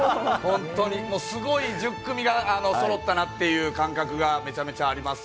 すごい１０組がそろったなという感覚がめちゃめちゃあります。